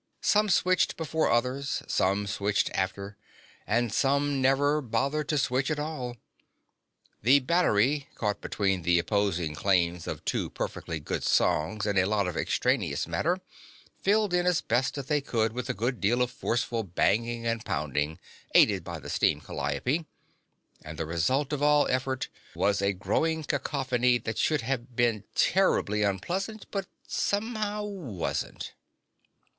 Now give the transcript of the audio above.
Some switched before others, some switched after, and some never bothered to switch at all. The battery, caught between the opposing claims of two perfectly good songs and a lot of extraneous matter, filled in as best they could with a good deal of forceful banging and pounding, aided by the steam calliope, and the result of all effort was a growing cacophony that should have been terribly unpleasant but somehow wasn't.